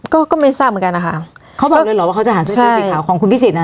ก็ก็ไม่ทราบเหมือนกันนะคะเขาบอกเลยเหรอว่าเขาจะหาเสื้อสีขาวของคุณพิสิทธินะ